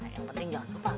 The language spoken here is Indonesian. yang penting jangan lupa bang